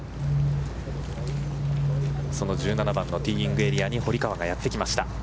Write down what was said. その１７番のティーイングエリアに堀川がやってきました。